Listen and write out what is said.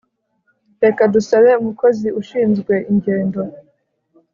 Reka dusabe umukozi ushinzwe ingendo